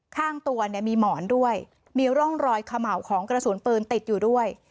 ข้างตัวเนี่ยมีหมอนด้วยมีร่องรอยเขม่าวของกระสุนปืนติดอยู่ด้วย